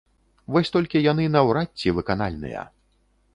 Вось толькі яны наўрад ці выканальныя.